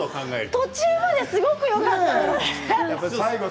途中まですごくよかったのに。